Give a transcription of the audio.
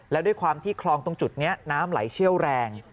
แล้วด้วยความที่คลองตรงจุดนี้น้ำไหลเชี่ยวแรง